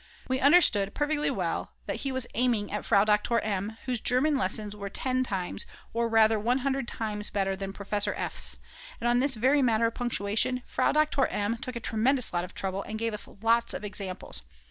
We understood perfectly well that he was aiming at Frau Doktor M., whose German lessons were 10 times or rather 100 times better than Professor F.'s. And on this very matter of punctuation Frau Doktor M. took a tremendous lot of trouble and gave us lots of examples.